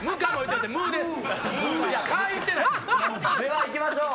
では行きましょう！